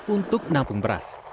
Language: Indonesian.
untuk menampung beras